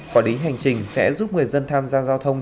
có đính hành trình sẽ giúp người dân tham gia giao thông